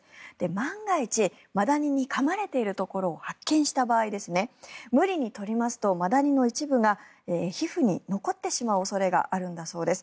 万が一マダニにかまれているところを発見した場合無理に取りますとマダニの一部が皮膚に残ってしまう恐れがあるんだそうです。